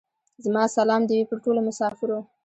زما سلام دي وې پر ټولو مسافرو.